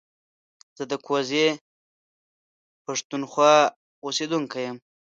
زه د کوزې پښتونخوا اوسېدونکی يم